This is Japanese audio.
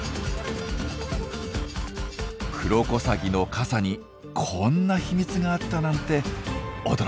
クロコサギの傘にこんな秘密があったなんて驚きです。